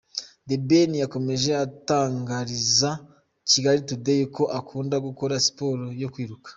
The Ben yakomeje atangariza Kigali Today ko akunda gukora siporo yo kwiruka.